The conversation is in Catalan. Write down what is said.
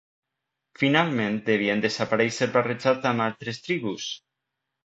Finalment devien desaparèixer barrejats amb altres tribus.